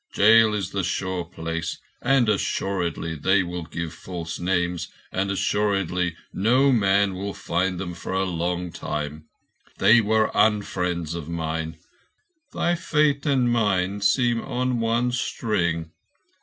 Jail is the sure place—and assuredly they will give false names, and assuredly no man will find them for a long time. They were unfriends of mine. Thy fate and mine seem on one string.